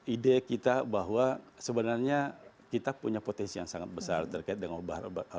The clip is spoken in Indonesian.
ide kita bahwa sebenarnya kita punya potensi yang sangat besar terkait dengan obat obat